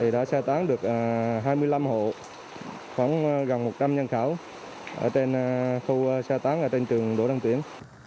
đã sơ tán được hai mươi năm hộ khoảng gần một trăm linh nhân khẩu ở trên khu sơ tán trên trường đỗ đăng tuyển